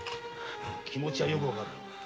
気持ちはよく分かる常！